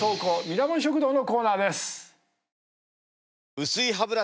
ミラモン食堂のコーナーです。